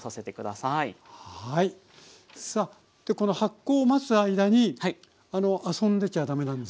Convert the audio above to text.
さあでこの発酵を待つ間に遊んでちゃ駄目なんですよね？